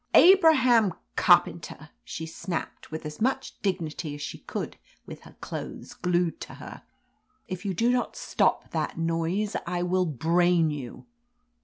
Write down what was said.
"Abraham Carpenter," she snapped, with as much dignity as she could with her clothes glued to her, "if you do not stop that noise I will brain you."